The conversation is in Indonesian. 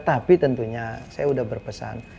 tapi tentunya saya sudah berpesan